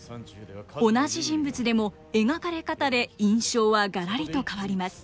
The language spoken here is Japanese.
同じ人物でも描かれ方で印象はがらりと変わります。